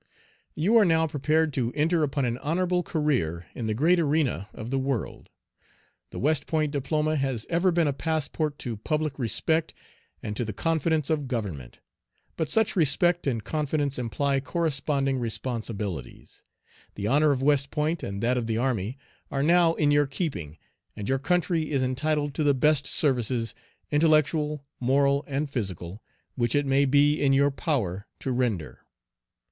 You are now prepared to enter upon an honorable career in the great arena of the world. The West Point Diploma has ever been a passport to public respect, and to the confidence of government. But such respect and confidence imply corresponding responsibilities. The honor of West Point and that of the army are now in your keeping; and your country is entitled to the best services, intellectual, moral, and physical, which it may be in your power to render.